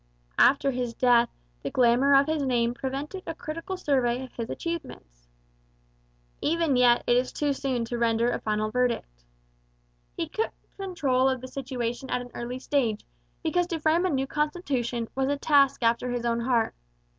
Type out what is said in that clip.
After his death the glamour of his name prevented a critical survey of his achievements. Even yet it is too soon to render a final verdict. He took control of the situation at an early stage, because to frame a new constitution was a task after his own heart.